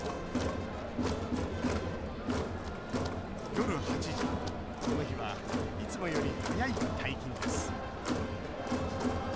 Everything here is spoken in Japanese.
夜８時この日はいつもより早い退勤です